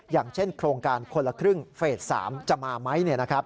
อย่างเช่นโครงการคนละครึ่งเฟส๓จะมาไหม